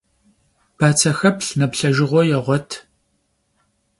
Batsexeplh neplhejjığue yêğuet.